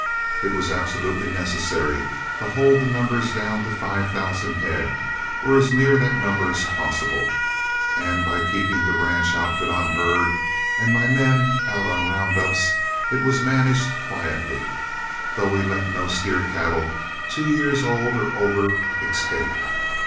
It was absolutely necessary to hold the numbers down to five thousand head, or as near that number as possible, and by keeping the ranch outfit on herd and my men out on round ups, it was managed quietly, though we let no steer cattle two years old or over escape.